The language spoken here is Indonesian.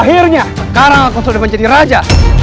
akhirnya sekarang aku sudah menjadi raja